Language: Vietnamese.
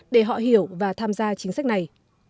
để họ hiểu và tham gia chính sách này